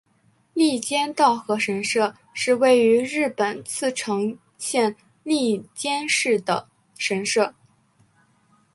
笠间稻荷神社是位于日本茨城县笠间市的神社。